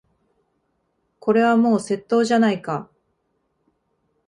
これはもう窃盗じゃないか。